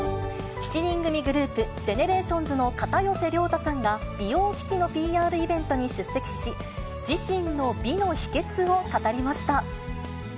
７人組グループ、ＧＥＮＥＲＡＴＩＯＮＳの片寄涼太さんが、美容機器のＰＲイベントに出席し、自身の美の秘けつを語りました。